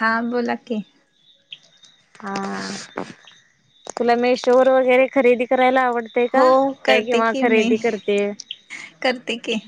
हा बोला की हा तुला मेशो वगैरे खरेदी करायला आवडत तय का? हो काय करते किंवा की मी खरेदी करते? करते की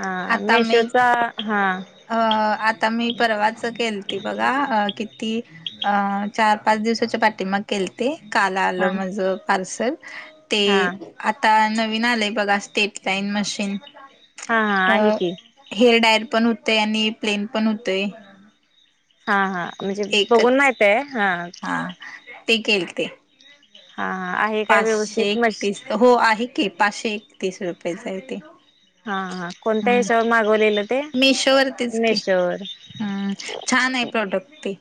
हा आता मी मेशोचा हा. अ आता मी परवाच केलती बघा अ किती. अ चार पाच दिवसाच्या पाठी माग. केलते काल हा आलं माझ पार्सल ते हा आता नवीन आलंय बघा स्टेटलाईन मशीन हा हा अ आहे की हेअर डायर पण होते आणि प्लेन पण होतेय. हा हा म्हणजे बघून एकच माहित आहे, हा. ते केल ते हा ह आहे काय पाचशे व्यवस्थित मश एकतीस हो आहे की, पाचशे एकतीस रुपयेच आहे ते. हा हा कोणत्या हम्म ह्याच्यावर मागवलेलं ते? मिशो वरतीच की मेशोवर. हम्म छान आहे प्रॉडक्ट ते.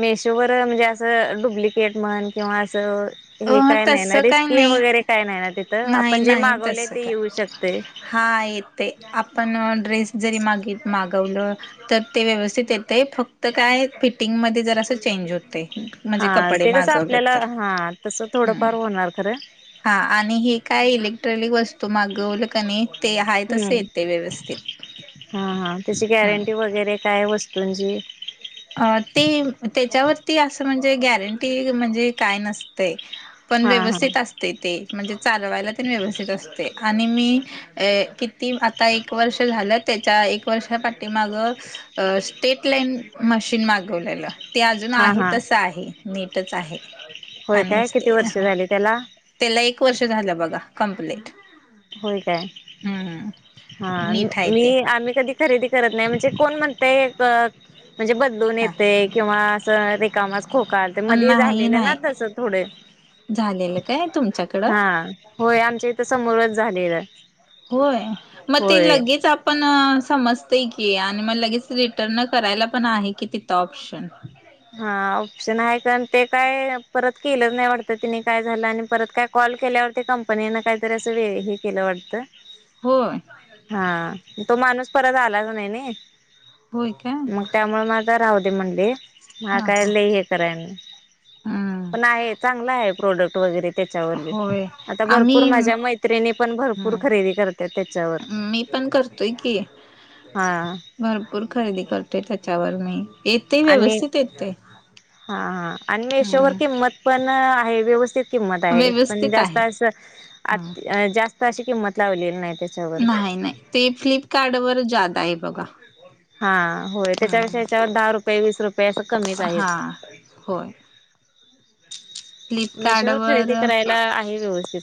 मेशोवर म्हणजे असं डुप्लिकेट म्हण किंवा असं. अ हे काय नाही ना तसं काय रिस्कीय नाही वगैरे काय नाही ना तिथं नाही आपण जे नाही मागवले तसं ते काय येऊ शकतय. हा येते आपण ड्रेस जरी मागीत-मागवलं तर ते व्यवस्थित येते फक्त काय फिटिंगमध्ये जरा असं चेंज होते. म्हणजे हा कपडे ते कसं मागवलं आपल्याला तर हा तस हम्म थोडंफार होणार खरं. हा आणि हे काय इलेक्ट्रॉनिक वस्तू मागवलं कनी हम्म हा हा, त्याची हम्म गॅरंटी वगैरे काय वस्तूंची. अ ते त्याच्यावरती असं म्हणजे गॅरंटी म्हणजे काय नस ते पण हा हा व्यवस्थित असते ते म्हणजे चालवायला पण व्यवस्थित असते आणि मी. अ किती आता एक वर्ष झालं त्याच्या एक वर्षा पाठीमाग. अ स्टेट लाईन. मशीन मागवलेलं ते अजून हा आहे हा तस आहे नीटच आहे. होय आणि काय किती ते वर्ष ह झाली त्याला. त्याला एक वर्ष झालं बघा कम्प्लीट. होय काय हा, नीट आहे ते मी आम्ही कधी. खरेदी करत नाही म्हणजे कोण म्हणतय म्हणजे बदलून हा येते किंवा अस रे रिकामं खोक आल ते मधी नाही झालेलं ना नाही तस थोडे झालेलं काय तुमच्याकडं हा. होय आमच्या इथं समोरच झालेलं. होय मग ते होय लगेच आप पण समजते की आणि मग लगेच रिटर्न करायला पण आहे की तिथं ऑप्शन. हा ऑप्शन आहे कारण ते काय परत केलंच नाही वाटत, तिने काय झालं आणि परत काय कॉल केल्यावरते कंपनीनं काहीतरी असं वेळ हे केलं वाटतं. होय हा तो माणूस परत आलाच नाही ना होय काय मग त्यामुळे मा राह दे म्हणले हा काय हा लय हे कराय हम्म पण आहे चांगला आहे. प्रोडक्ट वगैरे त्याच्यावर बी होय आता भरपूर आम्ही माझ्या मैत्रिणी पण भरपूर खरेदी करत्या त्याच्यावर मी पण करत तोयकी हा भरपूर, खरेदी करते, त्याच्यावर मी येतय आणि व्यवस्थित येतय, हा हा आणि मेशोवर हम् किंमत पण आहे, व्यवस्थित किंमत आहे, पण व्यवस्थित जास्त आहे असं ह आती जास्त ताशी किंमत लावलेली नाय तस न्हाय, नाय ते, फ्लिपकार्टवर जादा आहे बघा? हा, होय, त्याच्यापेक्षा हम्म याच्यावर, दहा रुपये- वीस रुप याचं कमी हा, होय फ्लिपकार्ट मेशोवर, वर खरेदी करायला, आहे व्यवस्थित,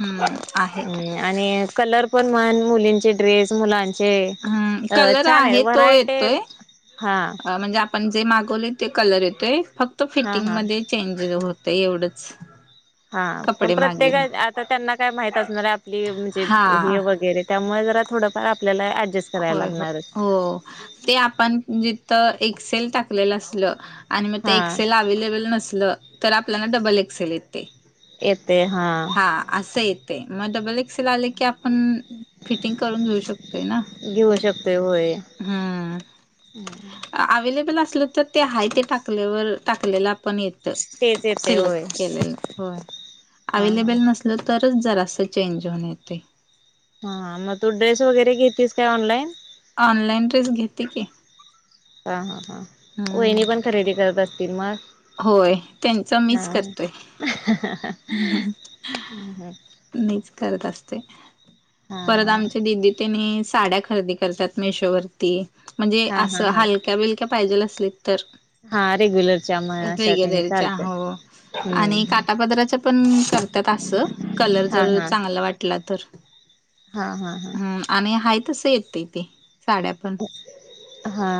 हम्म आहे आणि कलर पण म्हण, मुलींचे ड्रेस, मुलां हम्, कलर आहे तो येतोय, हा म्हणजे आप पण जे मागवले ते कलर येतोय, फक्त हा हा फिटिंगमध्ये चेंज होतय, एवढंच हा, त्यम कपडे प्रत्येका, मागेल आता त्यांना काय माहित असणार आहे, आपली म्हणजे हा हे वगैरे त्यामुळं, जरा थोडंफार, आपल्याला ऍडजस्ट करायला होय हो, लागणारच हो, ते आपण जिथं, एक्सेल टाकलेलं असलं आन म ते हा एक्सेल अवे्लेबल नसलं, तर आपल्याला डबल एक्सेल येतय. येतय हा हा, असं येतय, म डबल एक्सेल आले, की आपण, फिटिंग करून, घेऊ शकतोय ना? घेऊ शकतोय, होय हम्म अवेलेबल असलं तर, ते हाय ते टाकल्यावर, टाकलेलापण येत. त तेच येते होय सिलेक्ट केलेलं, होय हा हा अव्हेलेबल नस तरच जरासं चेंज होऊन येतय हा मग, तू ड्रेस वगैरे, घेतेस काय ऑनलाईन? ऑनलाइन ड्रेस घेते की? हा, हा, हा, वैणी हम्म पण, खरेदी करत असतील मग? होय, त्यांच मीच करतोय. ह, ह, ह, ह हम हं, मीच करत असते. हा परत हा आमची, दीदी तेनी, साड्या खरेदी करतात मेशोवररती. म्हणजे, हा हा असं हा हलक्या -बिलक्या पाहिजेल असली तर हा रेग्युलरच्या म अशा तेन [unintelligible] च्या चालतय हो, आणि हम्म काटापदराच्या पण करतात असं, कलर हा जर हा चांगला वाटला तर, हा हा हा हं आणि हाय तसं येतय तेे हा,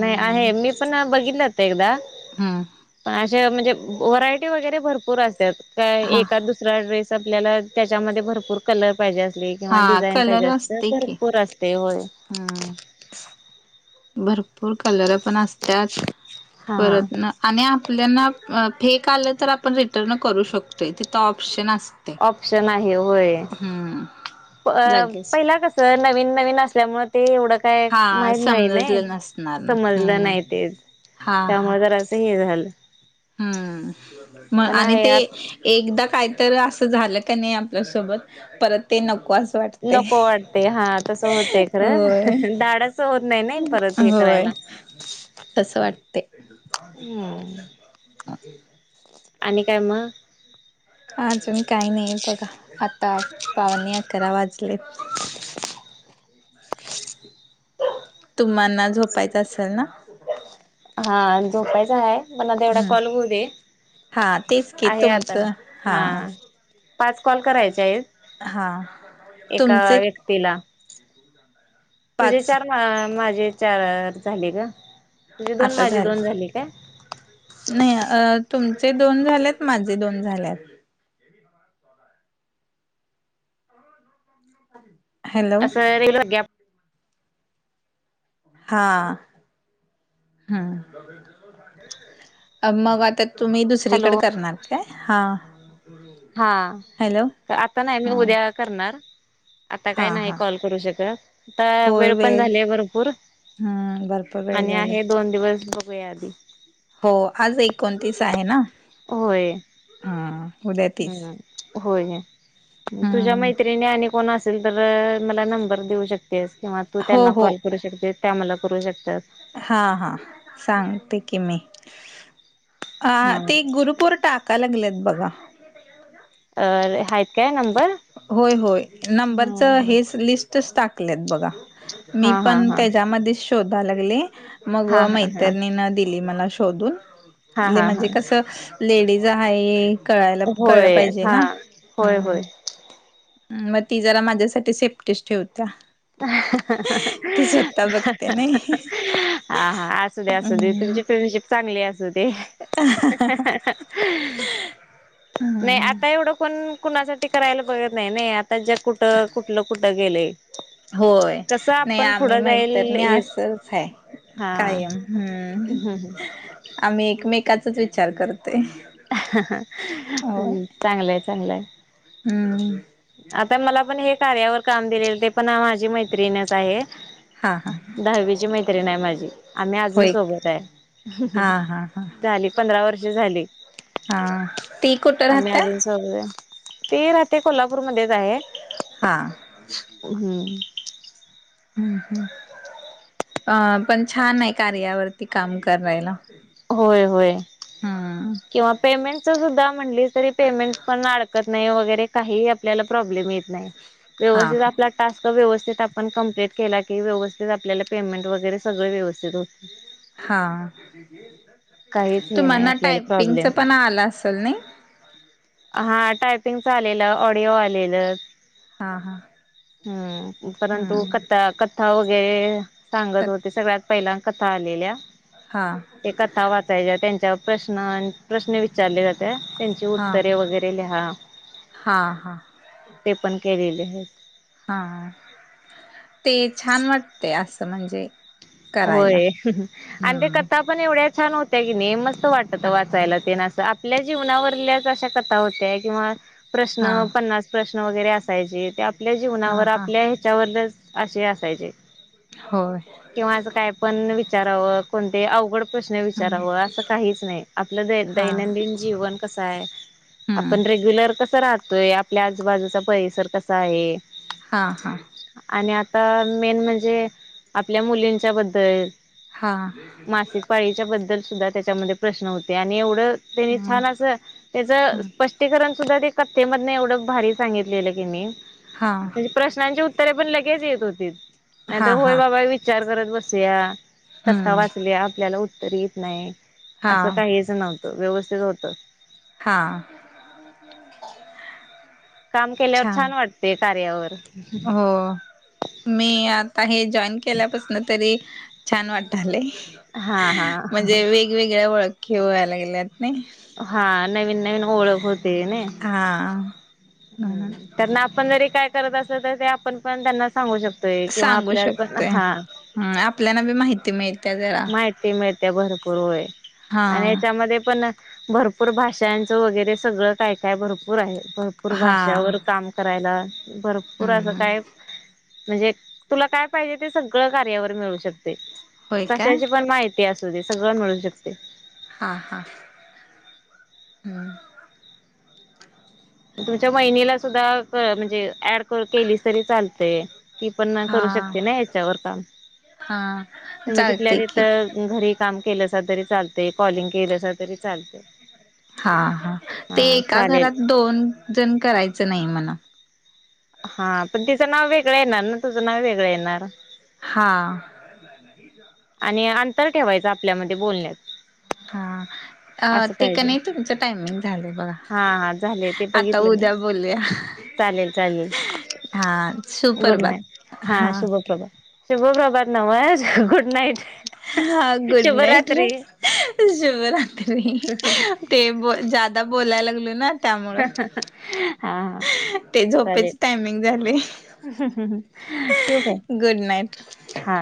नाही आहे, मी पण बघितल होतं, एकदा हम्म अशा म्हणजे व्हरायटी वगैरे भरपूर असतत्यात का हा एकाद दुस दुसरा ड्रेस, आपल्याला, त्याच्यामध्ये भरपूर कलर पाहिजे असले किंवा हा डिझाईन पाहिजे कलर असत, असतंय की भरपूर असते होय हम्म भरपूर कलर पण असत्यात, हा परत न आणि आपल्याना, फेक आलं तर, आपण रिटर्न करू शक तय, तिथं ऑप्शन असतय, ऑप्शन हम्म अ, लगेच पहिला कसं, नवीन- नवीन असल्यामुळं, ते एवढं काय हा माहीत नाही, नाय समजलं नसणार ना समजलं हम्म नाही ते हा त्यामुळं, जरासं हे झालं हा, म, पण आणि ते आहे एकदा काय तर, असं झालं का नाही आपल्यासोबत, परत ते नको असं वाटतंय नको वाटतय, हा तसं होतय खरं, होय धाडस च होत नाही नाय परत हे होय करायला. तसं वाटते हम्म हा आणि काय म? अजून काय नाही बघा, आता पावण्यात करा वाजलेत तुम्हाना झोपायच असल ना? हा, झोपायच हाय मला तेवढा हम्म कॉल होऊ दे, हा तेच की आहे आता, तुमचं हा पाच कॉल करायचे आहेत? हा एका तुमचे व्यक्तीला, तुझे पाच चार हा माझे चार झाले ना? आता झाले नाही अ, तुमचे दोन झालेत, माझे दोन झाल्यात हम् असं, रील गॅप हा, हम्, अब म वातत तुम्ही दुसरीकडं हॅलो करणार काय? हा हा, हॅलो आता नाय, मी हा उद्या करणार आता हा काय नाय हा कॉल करू शकत, आता वेळ पण झालीय भरपूर हम्म भरपूर वेळ आणि झाले आहे दोन दिवस, बघू या आधी हो, आज एकोणतीस आहे ना? होय, हा उद्या तीस [unintelligible] होय तुझ्या मैत्रिणी आणि कोण असल, तर मला नंबर देऊ शकतेस, किंवा तू हो त्यांना हो कॉल करू शकते, त्या मला करू शकतात हा, हा, सांगते की मी आ, हा ते गुरुपुर टाकाय लागलेत बघा अ, हाय काय नंबर? होय, होय, नंबरच हेस लिस्टच टाकलेत बघा मी हा हा पण हा त्याच्यामध्येच शोधाय लागली, मग हा हा हा मैत्रणीणं दिली मला शोधून हा हा हल्ली हा हा म्हजे कसं, लेडीज हाये कळायला कळलं होय पाहिजे हा ना? होय होय हम् म, ती जरा माझ्यासाठी सेफ्टीच ठेवता हा-हा -हा -अ -ह, ह, बघते ह, नाही ह हा, हा, असू दे, असू दे, हम्म तुमची फ्रेंडशिप चांगली असू दे. ह -ह -ह -ह [unintelligible] नाही आता, एवढं कोण कुणासाठी करायला बघत नाही, नाही आता, जग कुठं, कुठलं कुठं गेलय? होय, नाही आम्ही जाईल मैतरणी हेच असंच हाय हा कायम हम्म, आम्ही एकमेकाचाच विचार करतोय. चांगलंय चांगलंय. हम्. आता मला पण हे कार्यावर काम दिलेलं ते पण माझी मैत्रिणच आहे. हा हा हा. दहा विची मैत्रीण आहे माझी आम्ही अजून होय सोबत आहे. हा हा हा झाली पंधरा वर्षे झाली. हा. ती कुठं राहत्या? ती राहते कोल्हापूर मधेच आहे. हा. हम्म. हम् हम अं पण छान आहे कार्यावरती काम करायला. होय होय हम्म किंवा पेमेंटच सुद्धा म्हणलीस तरी पेमेंट पण अडकत पेमेंट वगैरे काही आपल्याला प्रॉब्लेम येत नाही हा व्यवस्थित हा आपला टास्क व्यवस्थित आपण कंप्लीट केला की व्यवस्थित आपल्याला पेमेंट वगैरे सगळे व्यवस्थित होते. हा, काहीच हे नाही तुम्हाना आपल्याला टायपिंगच प्रॉब्लेम पण आलं असेल ना. हा टायपिंगच आलेला ऑडिओ आलेलं. हा हा हा परंतु क हम्म कथा वगैरे सांगत होते सगळ्यात पहिला कथा आलेल्या. हां. ते कथा वाचायच्या त्यांच्यावर प्रश्न प्रश्न विचारले जाते त्यांची हा उत्तरे वगैरे लिहा हा हा ते पण केलेले आहे. हा हा ते छान वाटते असं म्हणजे. करायला होय आणि त्या हम्म कथा पण एवढ्या छान होत्या की नाही म स्त वाटत हा वाचायला तेन असं आपल्या जीवनावरल्याच अशा कथा होत्या किंवा प्रश्न हा पन्नास प्रश्न वगैरे असायचे ते आपल्या हा जीवनावर हा आपल्या हे ह्याच्या बद्दल असे असायचे. होय. किंवा असं काय पण विचारावं कोणते अवघड प्रश्न हम्म विचाराव असं काहीच नाही आपलं हा दैनंदिन जीवन कसं आहे. हम्म आपण रेग्युलर कस राहतोय. आपल्या आजूबाजूचा परिसर कसा आहे. हां हां. आणि आता मेन म्हणजे आपल्या मुलींच्या बद्दल. हां. मासिक पाळीच्या बद्दल सुद्धा त्याच्यामध्ये प्रश्न होते आणि एवढं त्यांनी हम्म छान असं त्याच हम्म स्पष्टी स्पष्टीकरण सुद्धा ते कथे मधन एवढं भारी सांगितलेलं की नी हा. प्रश्नांची उत्तरे पण लगेच येत होती नाहीतर हा होय हा बाबा विचार करत बसूया कथा हम्म वाचल्या आपल्याला उत्तर येत नाही हा असं काहीच असं नव्हतं व्यवस्थित होतं. हां. काम केल्यावर छान वाटते कार्यावर. हो. मी आता हे जॉईन केल्यापासन तरी छान वाटालय. हा हा हा. म्हणजे वेगवेगळ्या ओळखी व्हाय लागल्यात नाही. हा नवीन नवीन ओळख होते नाय. हा. ह म्हणून त्यांना आपण जरी काय करत असल ते आपण पण त्यांना सांगू शकतो. तोय किंवा आपल्या पण हा. ह आपल्याला बी माहिती मिळत्या जरा. माहीती मिळत्या भरपूर व्हय हा आणि याच्यामध्ये पण भरपूर भाषांचं वगैरे सगळं काय काय भरपूर आहे. भरपूर हा भाषावर काम करायला भरपूर हम्म असं हम्म काय म्हणजे तुला काय पाहिजे ते सगळं कार्यावर मिळू शकतय. होय काय कशाची पण माहिती असू दे सगळं मिळू शकते. हा हा. हम्म. तुमच्या वहिनीला सुद्धा म्हणजे ऍड केलीस तरी चालतय. ती पण करू हा शकते ना याच्यावर काम. हा तुम्ही तिथल्या चालते की तिथं घरी काम केलंसा तरी चालते कॉलिंग केलंसा तरी चालते. हा हा ते हा एका चालेल घरात दोन जण करायचं नाही म्हण. हा पण तिचं नाव वेगळं येणार ना तुझं नाव वेगळ येणार. हा. आणि अंतर ठेवायच आपल्यामध्ये बोलण्यात. हा अ असं ते क पाहिजे नाही तुमचं टायमिंग झालंय बघा. हा हा झाले ते आता बघितलं मी उद्या बोलूया. चालेल चालेल हा गुड नाईट सुप्रभात हा शुभप्रभात. शुभ प्रभात नव्ह गुड नाईट. हा गुड नाईट र शुभरात्री शुभरात्री. ते जादा बोलाय लागलोय ना. त्यामुळ हा हा ते झोपेचे टायमिंग झाले. ठेऊ काय गुड नाईट हा.